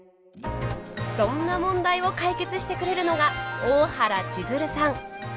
そんな問題を解決してくれるのが大原千鶴さん。